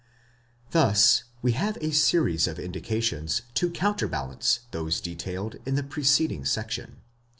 Thus we have a series of indications to counterbalance those detailed in the preceding section.